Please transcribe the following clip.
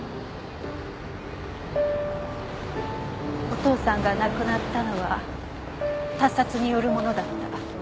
お父さんが亡くなったのは他殺によるものだった。